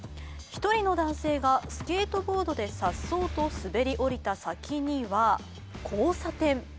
１人の男性がスケートボードでさっそうと滑り降りた先には交差点。